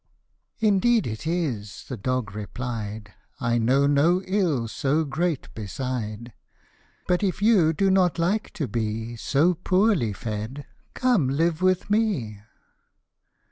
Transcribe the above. " Indeed it is," the dog replie J ; <s L know no ill so great beside ; 24 But if you do not like to be So poorly fed, come live with me."